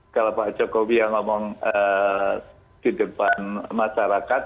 kalau pak jokowi yang ngomong di depan masyarakat